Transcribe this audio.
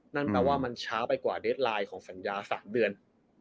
นั่นแปลว่ามันช้าไปกว่าเดสไลน์ของสัญญา๓เดือน